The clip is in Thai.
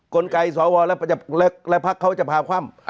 กลไกสวและพักเขาจะพาคว่ำ